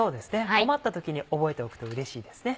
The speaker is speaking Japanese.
困った時に覚えておくとうれしいですね。